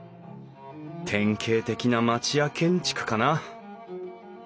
典型的な町家建築かな